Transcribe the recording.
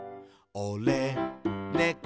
「おれ、ねこ」